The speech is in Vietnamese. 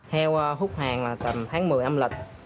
heo hút hàng là tầm tháng một mươi âm lịch